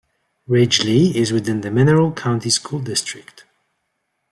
Ridgeley is within the Mineral County School District.